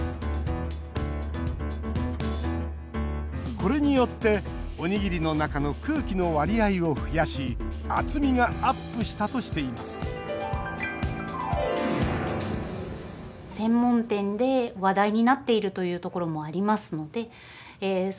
これによって、おにぎりの中の空気の割合を増やし厚みがアップしたとしています一方、こちらの大手